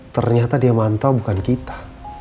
ternyata dia mantau bukan kita